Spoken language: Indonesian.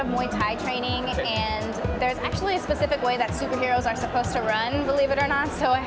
dan ya saya pikir itu adalah dua hal spesifik yang saya lakukan untuk berlatih